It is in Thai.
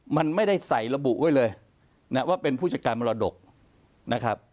มันไม่ได้ใส่ระบุไว้เลยนะว่าเป็นผู้จัดการมรดกนะครับ